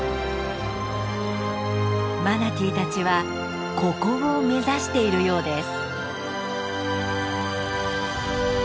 マナティーたちはここを目指しているようです。